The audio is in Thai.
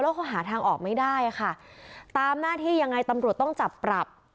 เขาหาทางออกไม่ได้ค่ะตามหน้าที่ยังไงตำรวจต้องจับปรับ